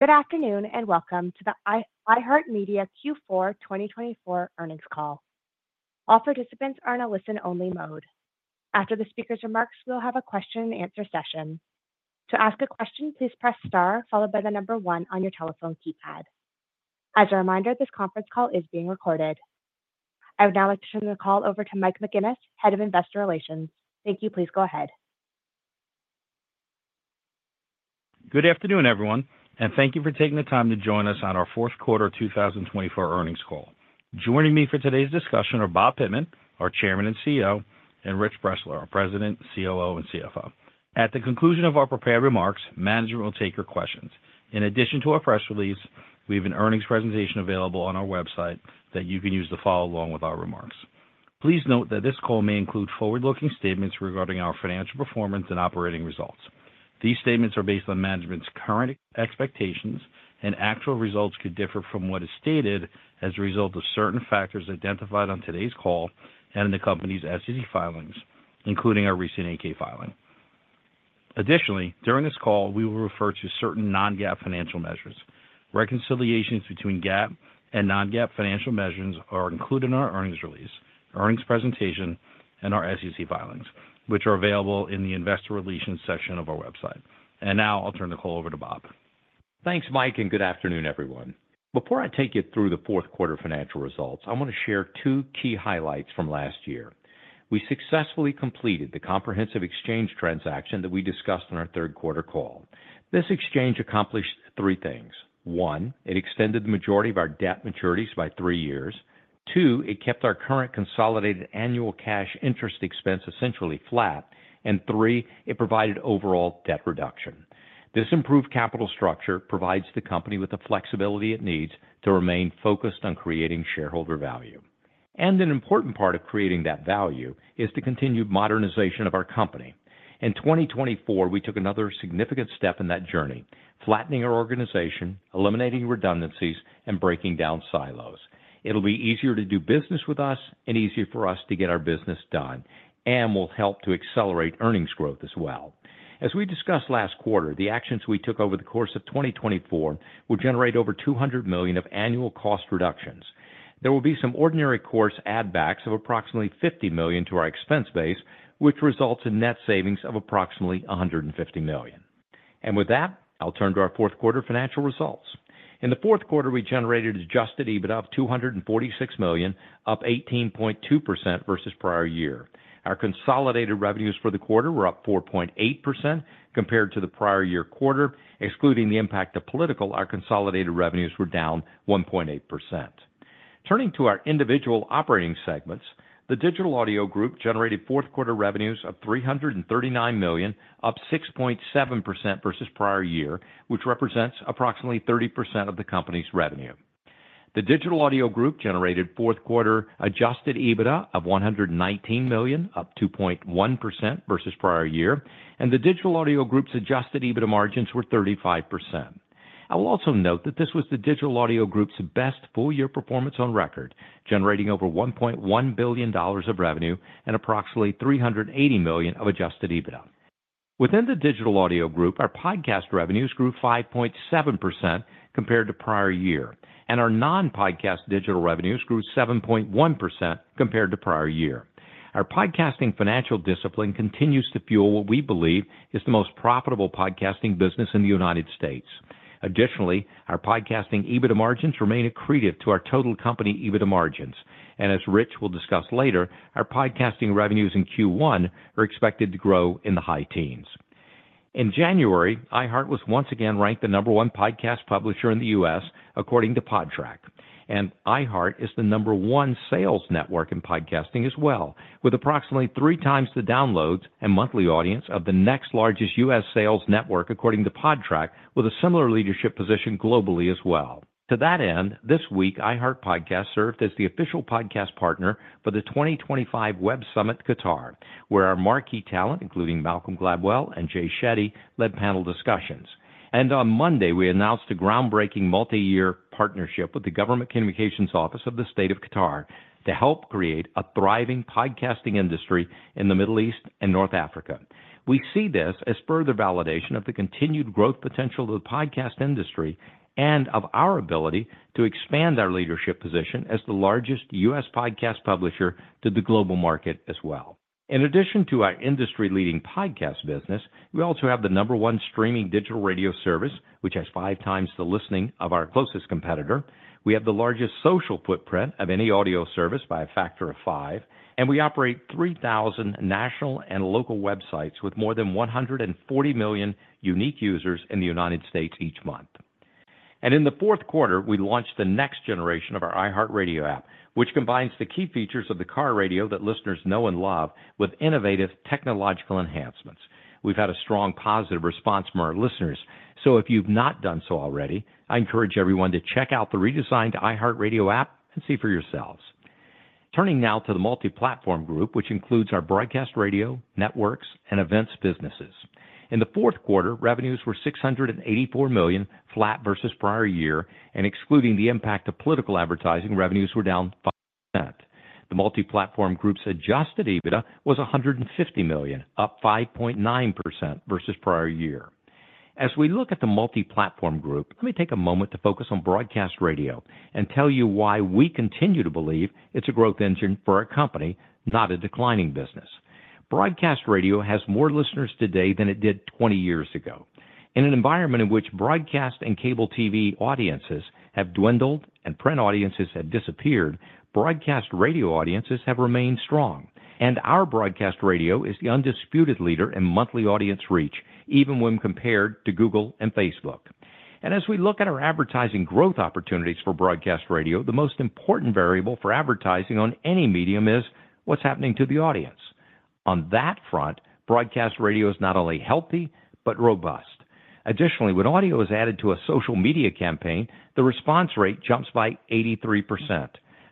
Good afternoon and welcome to the iHeartMedia Q4 2024 earnings call. All participants are in a listen-only mode. After the speaker's remarks, we'll have a question-and-answer session. To ask a question, please press star followed by the number one on your telephone keypad. As a reminder, this conference call is being recorded. I would now like to turn the call over to Mike McGuinness, Head of Investor Relations. Thank you. Please go ahead. Good afternoon, everyone, and thank you for taking the time to join us on our fourth quarter 2024 earnings call. Joining me for today's discussion are Bob Pittman, our Chairman and CEO, and Rich Bressler, our President, COO, and CFO. At the conclusion of our prepared remarks, management will take your questions. In addition to our press release, we have an earnings presentation available on our website that you can use to follow along with our remarks. Please note that this call may include forward-looking statements regarding our financial performance and operating results. These statements are based on management's current expectations, and actual results could differ from what is stated as a result of certain factors identified on today's call and in the company's SEC filings, including our recent 8K filing. Additionally, during this call, we will refer to certain non-GAAP financial measures. Reconciliations between GAAP and non-GAAP financial measures are included in our earnings release, earnings presentation, and our SEC filings, which are available in the investor relations section of our website. I will now turn the call over to Bob. Thanks, Mike, and good afternoon, everyone. Before I take you through the fourth quarter financial results, I want to share two key highlights from last year. We successfully completed the comprehensive exchange transaction that we discussed in our third quarter call. This exchange accomplished three things. One, it extended the majority of our debt maturities by three years. Two, it kept our current consolidated annual cash interest expense essentially flat. Three, it provided overall debt reduction. This improved capital structure provides the company with the flexibility it needs to remain focused on creating shareholder value. An important part of creating that value is to continue modernization of our company. In 2024, we took another significant step in that journey, flattening our organization, eliminating redundancies, and breaking down silos. It'll be easier to do business with us and easier for us to get our business done, and will help to accelerate earnings growth as well. As we discussed last quarter, the actions we took over the course of 2024 will generate over $200 million of annual cost reductions. There will be some ordinary course add-backs of approximately $50 million to our expense base, which results in net savings of approximately $150 million. With that, I'll turn to our fourth quarter financial results. In the fourth quarter, we generated adjusted EBITDA of $246 million, up 18.2% versus prior year. Our consolidated revenues for the quarter were up 4.8% compared to the prior year quarter. Excluding the impact of political, our consolidated revenues were down 1.8%. Turning to our individual operating segments, the digital audio group generated fourth quarter revenues of $339 million, up 6.7% versus prior year, which represents approximately 30% of the company's revenue. The digital audio group generated fourth quarter adjusted EBITDA of $119 million, up 2.1% versus prior year, and the digital audio group's adjusted EBITDA margins were 35%. I will also note that this was the digital audio group's best full-year performance on record, generating over $1.1 billion of revenue and approximately $380 million of adjusted EBITDA. Within the digital audio group, our podcast revenues grew 5.7% compared to prior year, and our non-podcast digital revenues grew 7.1% compared to prior year. Our podcasting financial discipline continues to fuel what we believe is the most profitable podcasting business in the United States. Additionally, our podcasting EBITDA margins remain accretive to our total company EBITDA margins. As Rich will discuss later, our podcasting revenues in Q1 are expected to grow in the high teens. In January, iHeart was once again ranked the number one podcast publisher in the U.S. according to Podtrac, and iHeart is the number one sales network in podcasting as well, with approximately three times the downloads and monthly audience of the next largest U.S. sales network according to Podtrac, with a similar leadership position globally as well. To that end, this week, iHeart Podcasts served as the official podcast partner for the 2025 Web Summit, Qatar, where our marquee talent, including Malcolm Gladwell and Jay Shetty, led panel discussions. On Monday, we announced a groundbreaking multi-year partnership with the Government Communications Office of the State of Qatar to help create a thriving podcasting industry in the Middle East and North Africa. We see this as further validation of the continued growth potential of the podcast industry and of our ability to expand our leadership position as the largest U.S. podcast publisher to the global market as well. In addition to our industry-leading podcast business, we also have the number one streaming digital radio service, which has five times the listening of our closest competitor. We have the largest social footprint of any audio service by a factor of five, and we operate 3,000 national and local websites with more than 140 million unique users in the United States each month. In the fourth quarter, we launched the next generation of our iHeartRadio app, which combines the key features of the car radio that listeners know and love with innovative technological enhancements. We've had a strong positive response from our listeners, so if you've not done so already, I encourage everyone to check out the redesigned iHeartRadio app and see for yourselves. Turning now to the multi-platform group, which includes our broadcast radio networks and events businesses. In the fourth quarter, revenues were $684 million, flat versus prior year, and excluding the impact of political advertising, revenues were down 5%. The multi-platform group's adjusted EBITDA was $150 million, up 5.9% versus prior year. As we look at the multi-platform group, let me take a moment to focus on broadcast radio and tell you why we continue to believe it's a growth engine for our company, not a declining business. Broadcast radio has more listeners today than it did 20 years ago. In an environment in which broadcast and cable TV audiences have dwindled and print audiences have disappeared, broadcast radio audiences have remained strong, and our broadcast radio is the undisputed leader in monthly audience reach, even when compared to Google and Facebook. As we look at our advertising growth opportunities for broadcast radio, the most important variable for advertising on any medium is what's happening to the audience. On that front, broadcast radio is not only healthy but robust. Additionally, when audio is added to a social media campaign, the response rate jumps by 83%.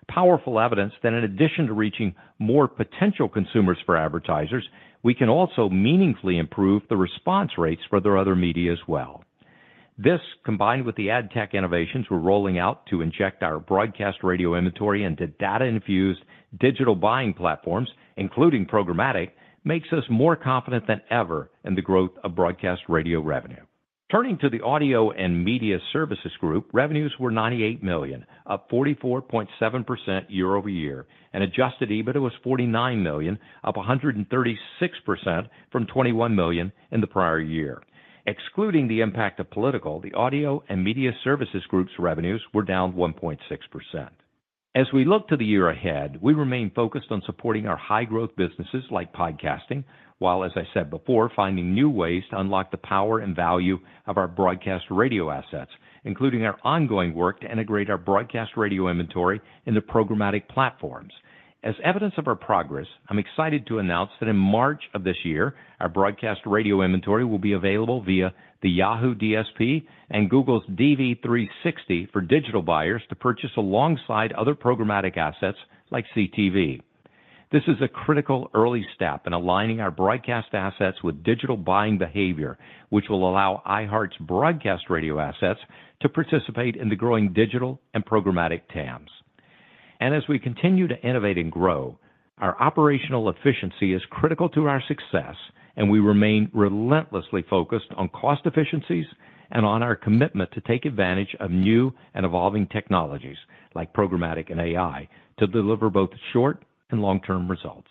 Powerful evidence that in addition to reaching more potential consumers for advertisers, we can also meaningfully improve the response rates for their other media as well. This, combined with the ad tech innovations we're rolling out to inject our broadcast radio inventory into data-infused digital buying platforms, including programmatic, makes us more confident than ever in the growth of broadcast radio revenue. Turning to the audio and media services group, revenues were $98 million, up 44.7% year over year, and adjusted EBITDA was $49 million, up 136% from $21 million in the prior year. Excluding the impact of political, the audio and media services group's revenues were down 1.6%. As we look to the year ahead, we remain focused on supporting our high-growth businesses like podcasting, while, as I said before, finding new ways to unlock the power and value of our broadcast radio assets, including our ongoing work to integrate our broadcast radio inventory in the programmatic platforms. As evidence of our progress, I'm excited to announce that in March of this year, our broadcast radio inventory will be available via the Yahoo DSP and Google's DV360 for digital buyers to purchase alongside other programmatic assets like CTV. This is a critical early step in aligning our broadcast assets with digital buying behavior, which will allow iHeart's broadcast radio assets to participate in the growing digital and programmatic TAMs. As we continue to innovate and grow, our operational efficiency is critical to our success, and we remain relentlessly focused on cost efficiencies and on our commitment to take advantage of new and evolving technologies like programmatic and AI to deliver both short and long-term results.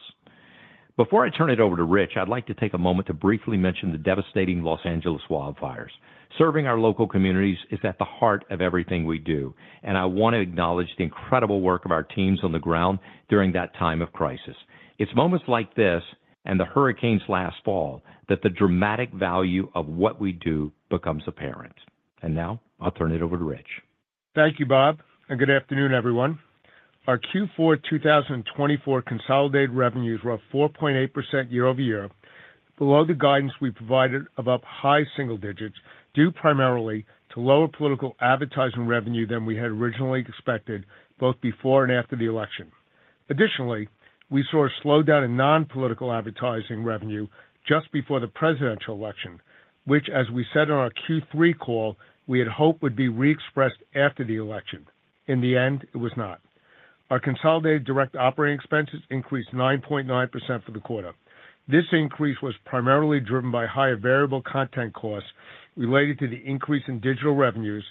Before I turn it over to Rich, I'd like to take a moment to briefly mention the devastating Los Angeles wildfires. Serving our local communities is at the heart of everything we do, and I want to acknowledge the incredible work of our teams on the ground during that time of crisis. It's moments like this and the hurricanes last fall that the dramatic value of what we do becomes apparent. Now I'll turn it over to Rich. Thank you, Bob, and good afternoon, everyone. Our Q4 2024 consolidated revenues were up 4.8% year over year, below the guidance we provided of up high single digits due primarily to lower political advertising revenue than we had originally expected both before and after the election. Additionally, we saw a slowdown in non-political advertising revenue just before the presidential election, which, as we said in our Q3 call, we had hoped would be re-expressed after the election. In the end, it was not. Our consolidated direct operating expenses increased 9.9% for the quarter. This increase was primarily driven by higher variable content costs related to the increase in digital revenues,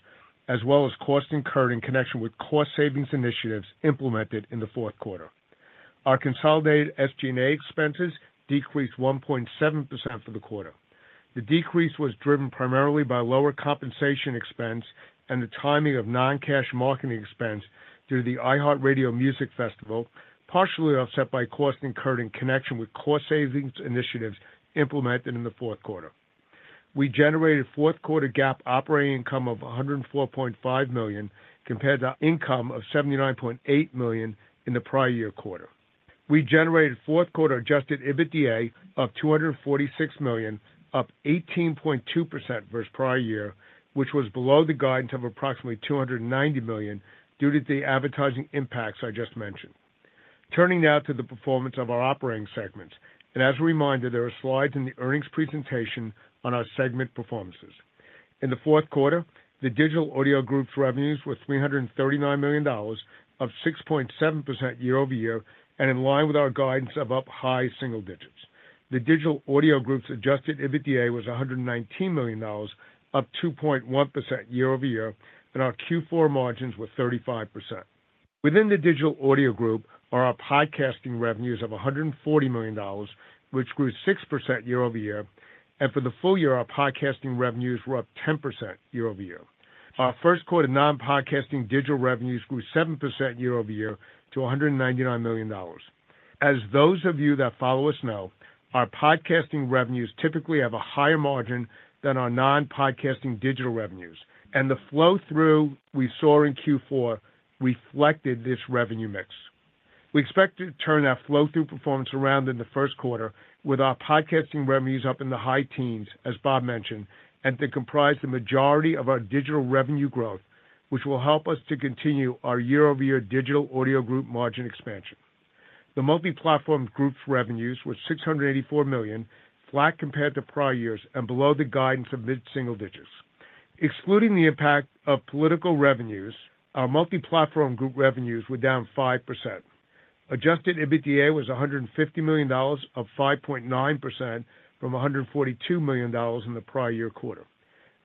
as well as costs incurred in connection with cost savings initiatives implemented in the fourth quarter. Our consolidated SG&A expenses decreased 1.7% for the quarter. The decrease was driven primarily by lower compensation expense and the timing of non-cash marketing expense due to the iHeartRadio Music Festival, partially offset by costs incurred in connection with cost savings initiatives implemented in the fourth quarter. We generated fourth quarter GAAP operating income of $104.5 million compared to income of $79.8 million in the prior year quarter. We generated fourth quarter adjusted EBITDA of $246 million, up 18.2% versus prior year, which was below the guidance of approximately $290 million due to the advertising impacts I just mentioned. Turning now to the performance of our operating segments, and as a reminder, there are slides in the earnings presentation on our segment performances. In the fourth quarter, the digital audio group's revenues were $339 million, up 6.7% year over year, and in line with our guidance of up high single digits. The digital audio group's adjusted EBITDA was $119 million, up 2.1% year over year, and our Q4 margins were 35%. Within the digital audio group, our podcasting revenues of $140 million, which grew 6% year over year, and for the full year, our podcasting revenues were up 10% year over year. Our first quarter non-podcasting digital revenues grew 7% year over year to $199 million. As those of you that follow us know, our podcasting revenues typically have a higher margin than our non-podcasting digital revenues, and the flow-through we saw in Q4 reflected this revenue mix. We expect to turn our flow-through performance around in the first quarter, with our podcasting revenues up in the high teens, as Bob mentioned, and to comprise the majority of our digital revenue growth, which will help us to continue our year-over-year digital audio group margin expansion. The multi-platform group's revenues were $684 million, flat compared to prior years, and below the guidance of mid-single digits. Excluding the impact of political revenues, our multi-platform group revenues were down 5%. Adjusted EBITDA was $150 million, up 5.9% from $142 million in the prior year quarter.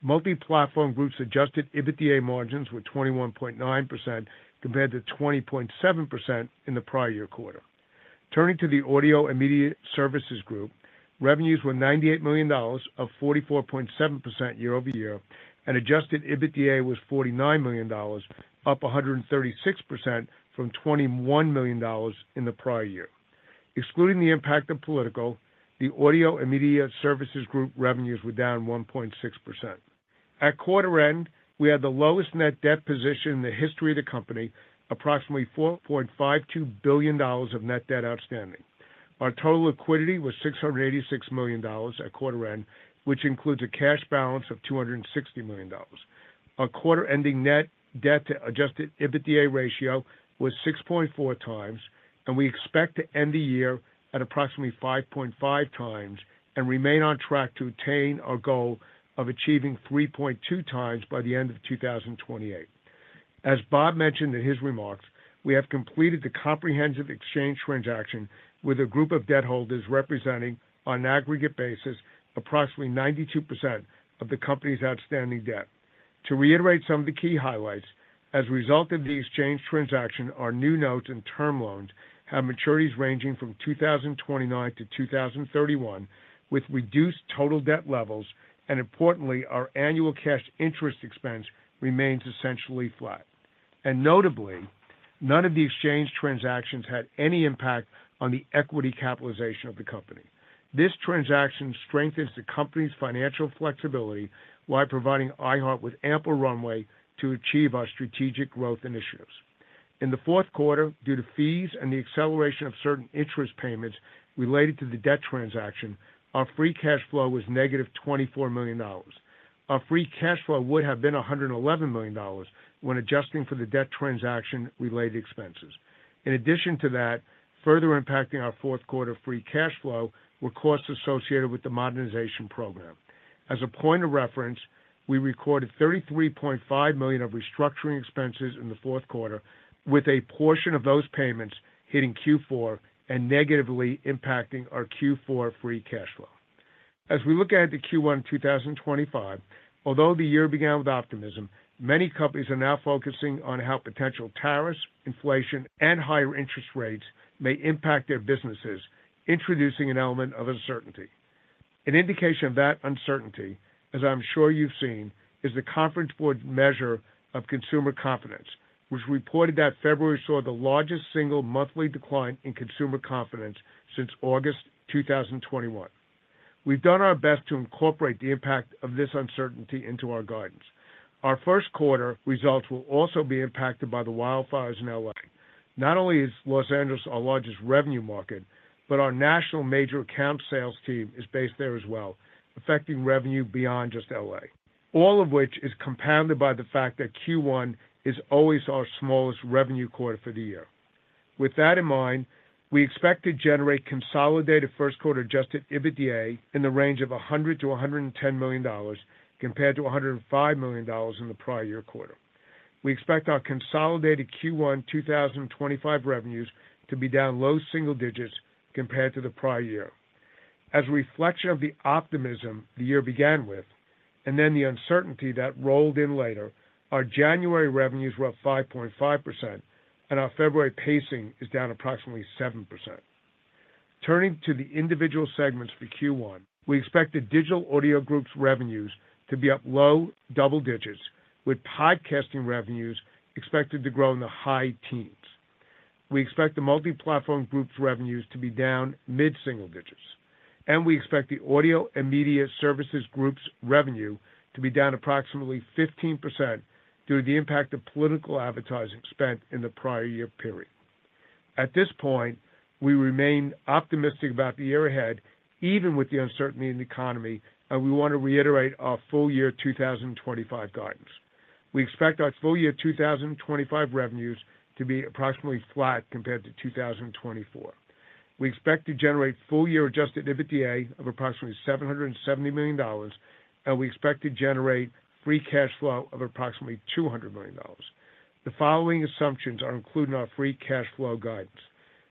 Multi-platform group's adjusted EBITDA margins were 21.9% compared to 20.7% in the prior year quarter. Turning to the audio and media services group, revenues were $98 million, up 44.7% year over year, and adjusted EBITDA was $49 million, up 136% from $21 million in the prior year. Excluding the impact of political, the audio and media services group revenues were down 1.6%. At quarter end, we had the lowest net debt position in the history of the company, approximately $4.52 billion of net debt outstanding. Our total liquidity was $686 million at quarter end, which includes a cash balance of $260 million. Our quarter-ending net debt to adjusted EBITDA ratio was 6.4 times, and we expect to end the year at approximately 5.5 times and remain on track to attain our goal of achieving 3.2 times by the end of 2028. As Bob mentioned in his remarks, we have completed the comprehensive exchange transaction with a group of debt holders representing, on an aggregate basis, approximately 92% of the company's outstanding debt. To reiterate some of the key highlights, as a result of the exchange transaction, our new notes and term loans have maturities ranging from 2029 to 2031, with reduced total debt levels, and importantly, our annual cash interest expense remains essentially flat. Notably, none of the exchange transactions had any impact on the equity capitalization of the company. This transaction strengthens the company's financial flexibility while providing iHeart with ample runway to achieve our strategic growth initiatives. In the fourth quarter, due to fees and the acceleration of certain interest payments related to the debt transaction, our free cash flow was negative $24 million. Our free cash flow would have been $111 million when adjusting for the debt transaction-related expenses. In addition to that, further impacting our fourth quarter free cash flow were costs associated with the modernization program. As a point of reference, we recorded $33.5 million of restructuring expenses in the fourth quarter, with a portion of those payments hitting Q4 and negatively impacting our Q4 free cash flow. As we look ahead to Q1 2025, although the year began with optimism, many companies are now focusing on how potential tariffs, inflation, and higher interest rates may impact their businesses, introducing an element of uncertainty. An indication of that uncertainty, as I'm sure you've seen, is the Conference Board measure of consumer confidence, which reported that February saw the largest single monthly decline in consumer confidence since August 2021. We've done our best to incorporate the impact of this uncertainty into our guidance. Our first quarter results will also be impacted by the wildfires in Los Angeles. Not only is Los Angeles our largest revenue market, but our national major account sales team is based there as well, affecting revenue beyond just Los Angeles, all of which is compounded by the fact that Q1 is always our smallest revenue quarter for the year. With that in mind, we expect to generate consolidated first quarter adjusted EBITDA in the range of $100-$110 million compared to $105 million in the prior year quarter. We expect our consolidated Q1 2025 revenues to be down low single digits compared to the prior year. As a reflection of the optimism the year began with, and then the uncertainty that rolled in later, our January revenues were up 5.5%, and our February pacing is down approximately 7%. Turning to the individual segments for Q1, we expect the digital audio group's revenues to be up low double digits, with podcasting revenues expected to grow in the high teens. We expect the multi-platform group's revenues to be down mid-single digits, and we expect the audio and media services group's revenue to be down approximately 15% due to the impact of political advertising spent in the prior year period. At this point, we remain optimistic about the year ahead, even with the uncertainty in the economy, and we want to reiterate our full year 2025 guidance. We expect our full year 2025 revenues to be approximately flat compared to 2024. We expect to generate full year adjusted EBITDA of approximately $770 million, and we expect to generate free cash flow of approximately $200 million. The following assumptions are included in our free cash flow guidance.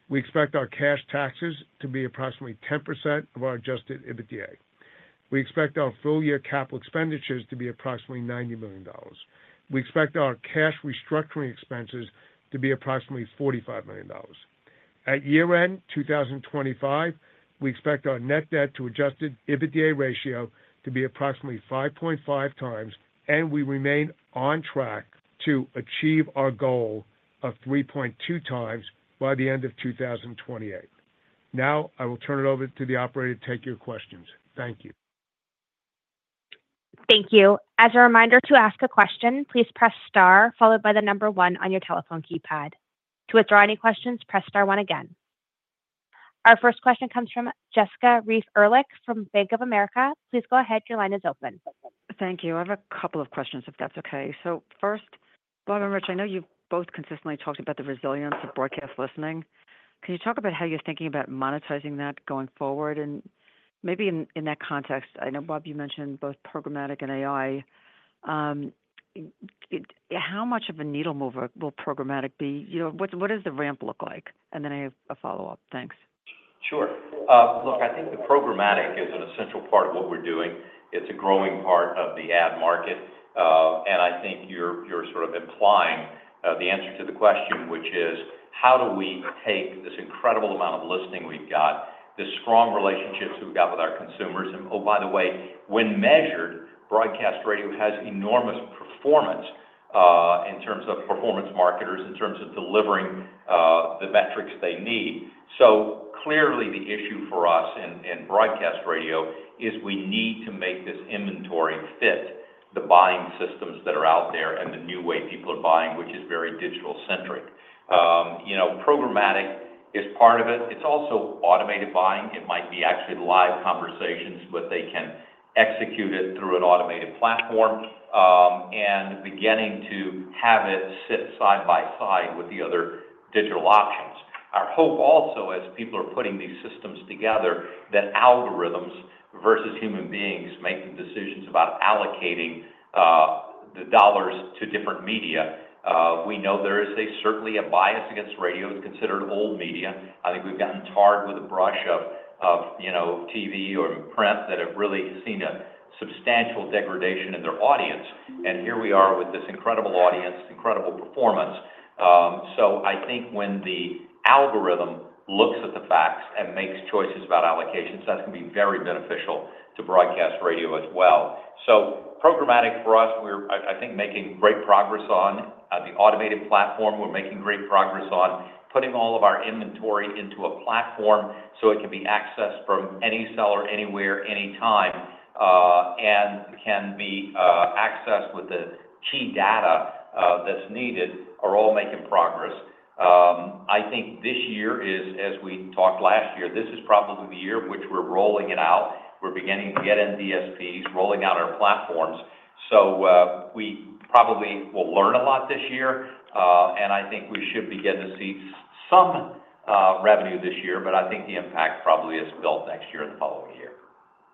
We expect our cash taxes to be approximately 10% of our adjusted EBITDA. We expect our full year capital expenditures to be approximately $90 million. We expect our cash restructuring expenses to be approximately $45 million. At year end 2025, we expect our net debt to adjusted EBITDA ratio to be approximately 5.5 times, and we remain on track to achieve our goal of 3.2 times by the end of 2028. Now, I will turn it over to the operator to take your questions. Thank you. Thank you. As a reminder, to ask a question, please press star, followed by the number one on your telephone keypad. To withdraw any questions, press star one again. Our first question comes from Jessica Reif Ehrlich from Bank of America. Please go ahead. Your line is open. Thank you. I have a couple of questions, if that's okay. First, Bob and Rich, I know you've both consistently talked about the resilience of broadcast listening. Can you talk about how you're thinking about monetizing that going forward? Maybe in that context, I know, Bob, you mentioned both programmatic and AI. How much of a needle mover will programmatic be? What does the ramp look like? I have a follow-up. Thanks. Sure. Look, I think that programmatic is an essential part of what we're doing. It's a growing part of the ad market. I think you're sort of implying the answer to the question, which is, how do we take this incredible amount of listening we've got, the strong relationships we've got with our consumers? Oh, by the way, when measured, broadcast radio has enormous performance in terms of performance marketers, in terms of delivering the metrics they need. Clearly, the issue for us in broadcast radio is we need to make this inventory fit the buying systems that are out there and the new way people are buying, which is very digital-centric. Programmatic is part of it. It's also automated buying. It might be actually live conversations, but they can execute it through an automated platform and beginning to have it sit side by side with the other digital options. Our hope also, as people are putting these systems together, that algorithms versus human beings make the decisions about allocating the dollars to different media. We know there is certainly a bias against radio. It's considered old media. I think we've gotten tarred with a brush of TV or print that have really seen a substantial degradation in their audience. Here we are with this incredible audience, incredible performance. I think when the algorithm looks at the facts and makes choices about allocations, that's going to be very beneficial to broadcast radio as well. Programmatic, for us, we're, I think, making great progress on the automated platform. We're making great progress on putting all of our inventory into a platform so it can be accessed from any seller, anywhere, any time, and can be accessed with the key data that's needed. We're all making progress. I think this year is, as we talked last year, this is probably the year in which we're rolling it out. We're beginning to get in DSPs, rolling out our platforms. We probably will learn a lot this year, and I think we should begin to see some revenue this year, but I think the impact probably is built next year and the following year.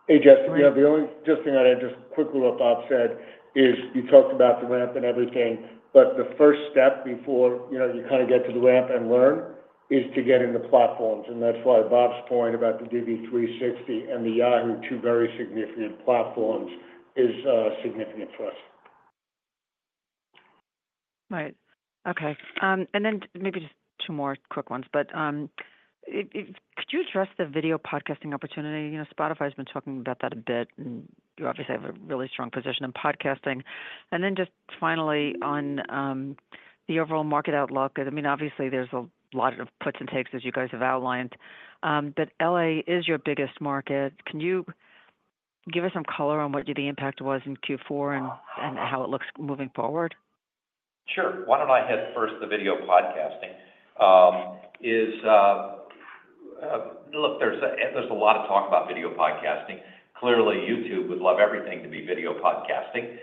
Hey, Jessica, the only just thing I'd add, just quickly what Bob said is you talked about the ramp and everything, but the first step before you kind of get to the ramp and learn is to get into platforms. That's why Bob's point about the DV360 and the Yahoo, two very significant platforms, is significant for us. Right. Okay. Maybe just two more quick ones. Could you address the video podcasting opportunity? Spotify has been talking about that a bit, and you obviously have a really strong position in podcasting. Finally, on the overall market outlook, I mean, obviously, there's a lot of puts and takes, as you guys have outlined, but L.A. is your biggest market. Can you give us some color on what the impact was in Q4 and how it looks moving forward? Sure. Why don't I hit first the video podcasting? Look, there's a lot of talk about video podcasting. Clearly, YouTube would love everything to be video podcasting.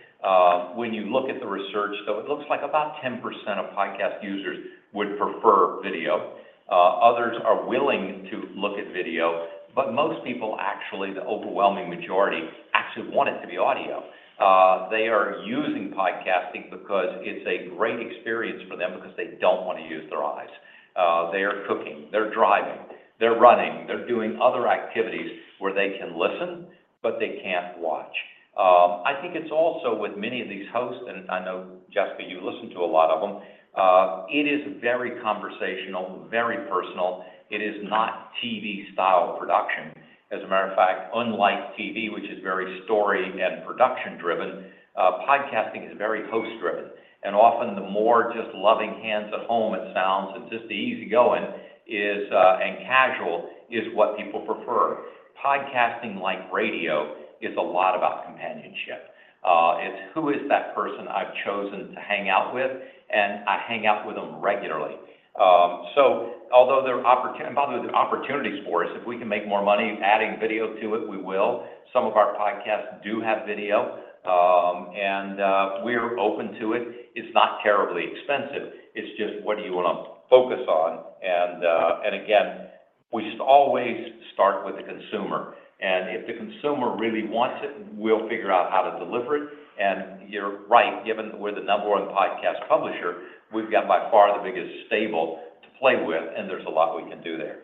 When you look at the research, though, it looks like about 10% of podcast users would prefer video. Others are willing to look at video, but most people, actually, the overwhelming majority, actually want it to be audio. They are using podcasting because it's a great experience for them because they don't want to use their eyes. They are cooking. They're driving. They're running. They're doing other activities where they can listen, but they can't watch. I think it's also with many of these hosts, and I know, Jessica, you listen to a lot of them. It is very conversational, very personal. It is not TV-style production. As a matter of fact, unlike TV, which is very story and production-driven, podcasting is very host-driven. Often, the more just loving hands at home it sounds, and just the easygoing and casual is what people prefer. Podcasting like radio is a lot about companionship. It's who is that person I've chosen to hang out with, and I hang out with them regularly. Although there are opportunities, and by the way, there are opportunities for us. If we can make more money adding video to it, we will. Some of our podcasts do have video, and we're open to it. It's not terribly expensive. It's just what do you want to focus on? We just always start with the consumer. If the consumer really wants it, we'll figure out how to deliver it. You're right, given that we're the number one podcast publisher, we've got by far the biggest stable to play with, and there's a lot we can do there.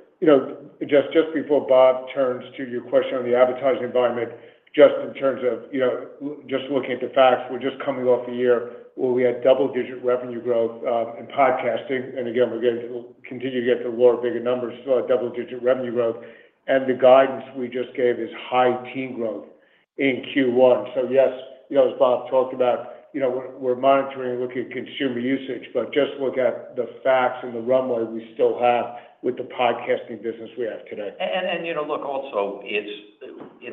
Jess, just before Bob turns to your question on the advertising environment, just in terms of just looking at the facts, we're just coming off a year where we had double-digit revenue growth in podcasting. Again, we're going to continue to get to lower bigger numbers, double-digit revenue growth. The guidance we just gave is high teen growth in Q1. Yes, as Bob talked about, we're monitoring and looking at consumer usage, but just look at the facts and the runway we still have with the podcasting business we have today. Look, also,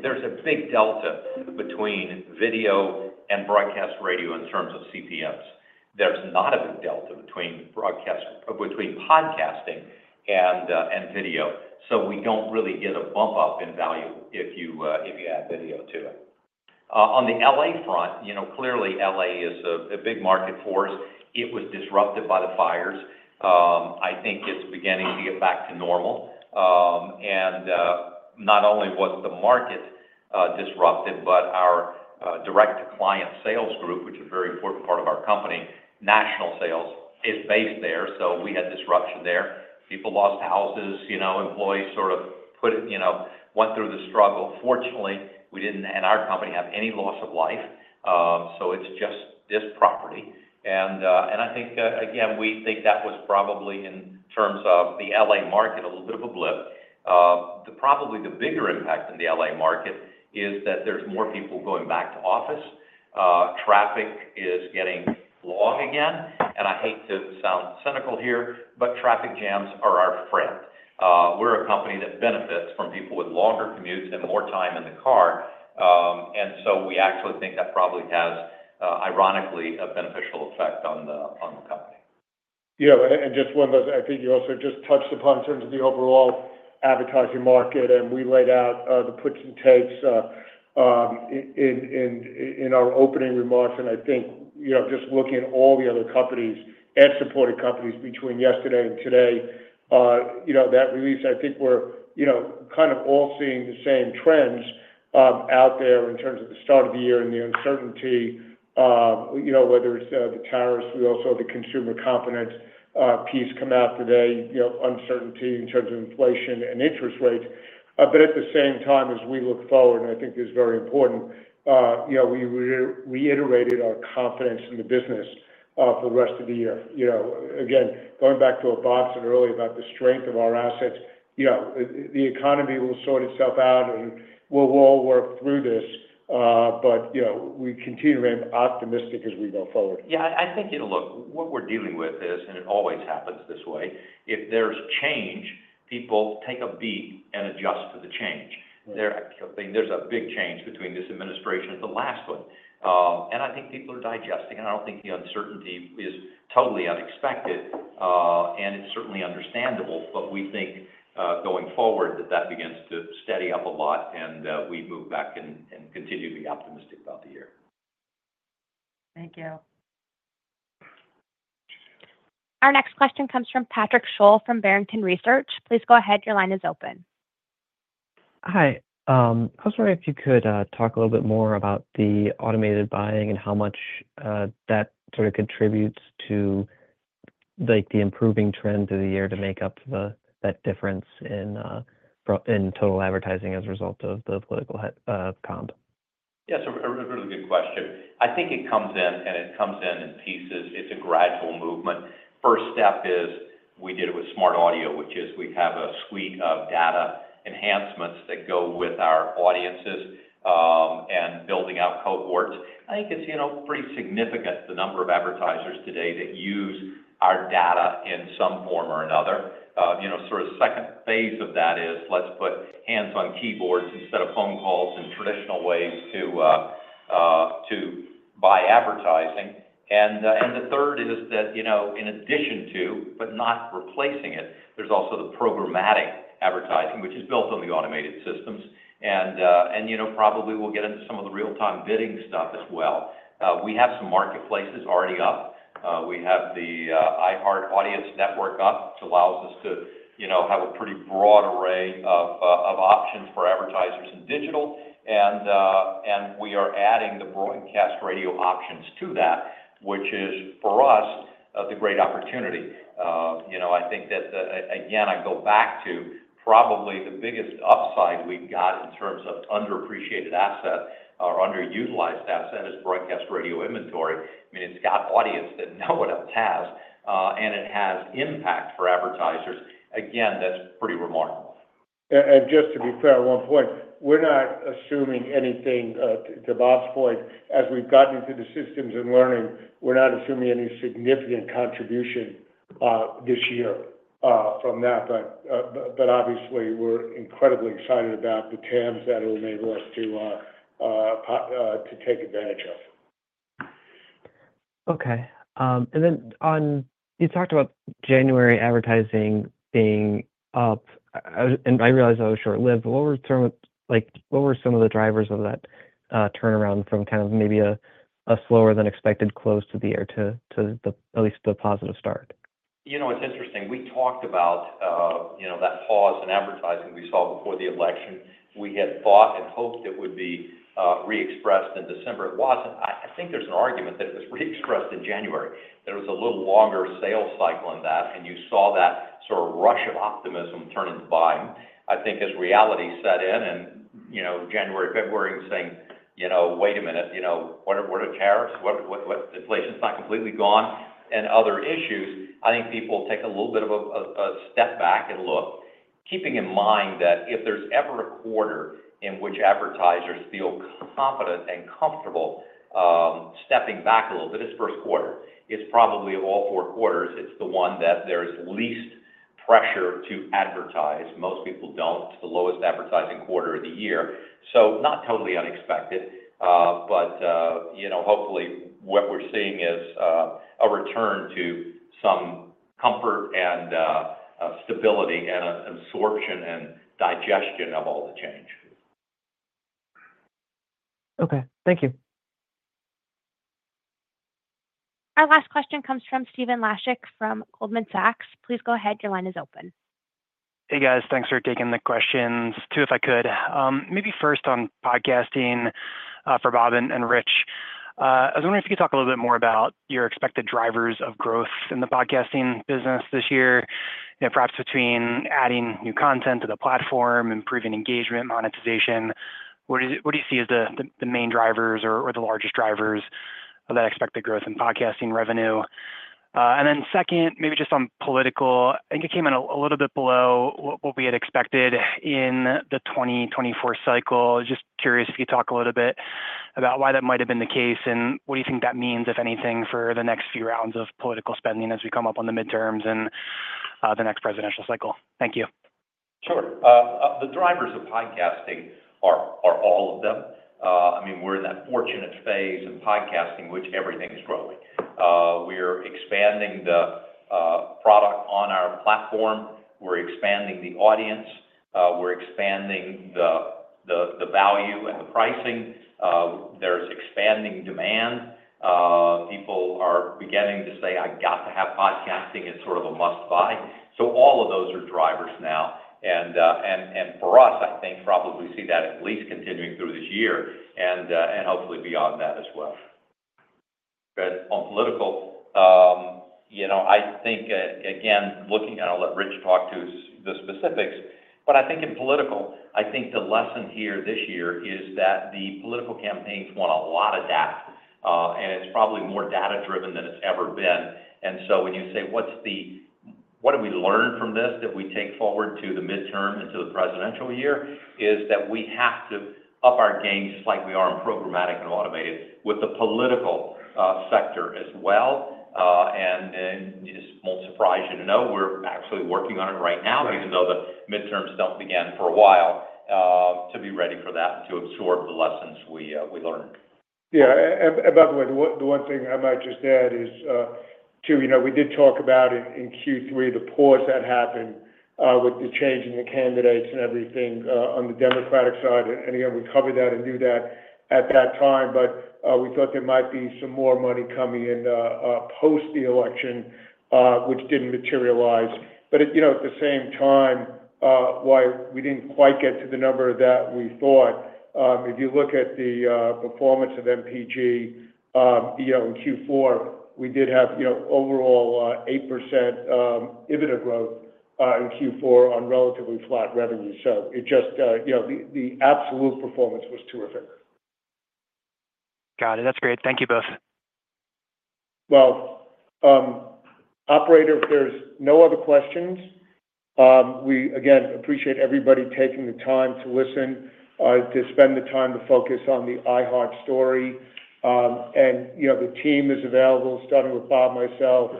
there's a big delta between video and broadcast radio in terms of CPMs. There's not a big delta between podcasting and video. We don't really get a bump up in value if you add video to it. On the LA front, clearly, LA is a big market for us. It was disrupted by the fires. I think it's beginning to get back to normal. Not only was the market disrupted, but our direct-to-client sales group, which is a very important part of our company, national sales, is based there. We had disruption there. People lost houses. Employees sort of went through the struggle. Fortunately, we didn't in our company have any loss of life. It's just this property. I think, again, we think that was probably, in terms of the LA market, a little bit of a blip. Probably the bigger impact in the LA market is that there's more people going back to office. Traffic is getting long again. I hate to sound cynical here, but traffic jams are our friend. We're a company that benefits from people with longer commutes and more time in the car. We actually think that probably has, ironically, a beneficial effect on the company. Yeah. Just one of those, I think you also just touched upon in terms of the overall advertising market, and we laid out the puts and takes in our opening remarks. I think just looking at all the other companies and supported companies between yesterday and today that release, I think we're kind of all seeing the same trends out there in terms of the start of the year and the uncertainty, whether it's the tariffs. We also have the consumer confidence piece come out today, uncertainty in terms of inflation and interest rates. At the same time, as we look forward, and I think it's very important, we reiterated our confidence in the business for the rest of the year. Again, going back to what Bob said earlier about the strength of our assets, the economy will sort itself out, and we'll all work through this. We continue to remain optimistic as we go forward. Yeah. I think, look, what we're dealing with is, and it always happens this way, if there's change, people take a beat and adjust to the change. I mean, there's a big change between this administration and the last one. I think people are digesting, and I don't think the uncertainty is totally unexpected, and it's certainly understandable. We think going forward that that begins to steady up a lot, and we move back and continue to be optimistic about the year. Thank you. Our next question comes from Patrick Sholl from Barrington Research. Please go ahead. Your line is open. Hi. I was wondering if you could talk a little bit more about the automated buying and how much that sort of contributes to the improving trend of the year to make up that difference in total advertising as a result of the political comp. Yes. A really good question. I think it comes in, and it comes in in pieces. It's a gradual movement. First step is we did it with smart audio, which is we have a suite of data enhancements that go with our audiences and building out cohorts. I think it's pretty significant the number of advertisers today that use our data in some form or another. Sort of second phase of that is let's put hands on keyboards instead of phone calls and traditional ways to buy advertising. The third is that in addition to, but not replacing it, there's also the programmatic advertising, which is built on the automated systems. Probably we'll get into some of the real-time bidding stuff as well. We have some marketplaces already up. We have the iHeart Audience Network up, which allows us to have a pretty broad array of options for advertisers in digital. We are adding the broadcast radio options to that, which is, for us, the great opportunity. I think that, again, I go back to probably the biggest upside we've got in terms of underappreciated asset or underutilized asset is broadcast radio inventory. I mean, it's got audience that no one else has, and it has impact for advertisers. Again, that's pretty remarkable. Just to be fair, one point, we're not assuming anything to Bob's point, as we've gotten into the systems and learning, we're not assuming any significant contribution this year from that. Obviously, we're incredibly excited about the TAMs that it'll enable us to take advantage of. Okay. You talked about January advertising being up, and I realize that was short-lived. What were some of the drivers of that turnaround from kind of maybe a slower-than-expected close to the year to at least the positive start? You know what's interesting? We talked about that pause in advertising we saw before the election. We had thought and hoped it would be re-expressed in December. It wasn't. I think there's an argument that it was re-expressed in January, that it was a little longer sales cycle than that, and you saw that sort of rush of optimism turn into buying. I think as reality set in in January, February, and saying, "Wait a minute, what are the tariffs? Inflation's not completely gone?" and other issues, I think people take a little bit of a step back and look, keeping in mind that if there's ever a quarter in which advertisers feel confident and comfortable stepping back a little bit, it's first quarter. It's probably all four quarters. It's the one that there's least pressure to advertise. Most people don't. It's the lowest advertising quarter of the year. Not totally unexpected, but hopefully, what we're seeing is a return to some comfort and stability and absorption and digestion of all the change. Okay. Thank you. Our last question comes from Steven Laszczyk from Goldman Sachs. Please go ahead. Your line is open. Hey, guys. Thanks for taking the questions. Two, if I could. Maybe first on podcasting for Bob and Rich. I was wondering if you could talk a little bit more about your expected drivers of growth in the podcasting business this year, perhaps between adding new content to the platform, improving engagement, monetization. What do you see as the main drivers or the largest drivers of that expected growth in podcasting revenue? Second, maybe just on political, I think it came in a little bit below what we had expected in the 2024 cycle. Just curious if you could talk a little bit about why that might have been the case and what do you think that means, if anything, for the next few rounds of political spending as we come up on the midterms and the next presidential cycle. Thank you. Sure. The drivers of podcasting are all of them. I mean, we're in that fortunate phase of podcasting in which everything is growing. We're expanding the product on our platform. We're expanding the audience. We're expanding the value and the pricing. There's expanding demand. People are beginning to say, "I've got to have podcasting. It's sort of a must-buy." All of those are drivers now. For us, I think probably we see that at least continuing through this year and hopefully beyond that as well. On political, I think, again, looking at—I will let Rich talk to the specifics. I think in political, I think the lesson here this year is that the political campaigns want a lot of data, and it's probably more data-driven than it's ever been. When you say, "What do we learn from this that we take forward to the midterm and to the presidential year?" it is that we have to up our game just like we are in Programmatic and Automated with the political sector as well. It may surprise you to know we are actually working on it right now, even though the midterms do not begin for a while, to be ready for that and to absorb the lessons we learn. Yeah. By the way, the one thing I might just add is, too, we did talk about in Q3 the pause that happened with the changing of candidates and everything on the Democratic side. Again, we covered that and knew that at that time, but we thought there might be some more money coming in post the election, which did not materialize. At the same time, while we did not quite get to the number that we thought, if you look at the performance of MPG in Q4, we did have overall 8% dividend growth in Q4 on relatively flat revenue. It just—the absolute performance was terrific. Got it. That's great. Thank you both. Operator, if there are no other questions, we, again, appreciate everybody taking the time to listen, to spend the time to focus on the iHeart story. The team is available, starting with Bob, myself,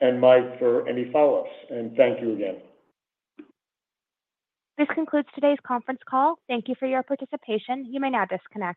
and Mike for any follow-ups. Thank you again. This concludes today's conference call. Thank you for your participation. You may now disconnect.